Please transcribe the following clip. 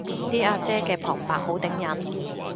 啲阿姐嘅旁白好頂癮